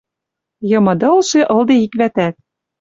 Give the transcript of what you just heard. Йымыдылшы ылде ик вӓтӓт.